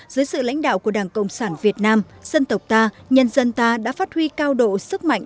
dưới sự lãnh đạo của đảng cộng sản việt nam dân tộc ta nhân dân ta đã phát huy cao độ sức mạnh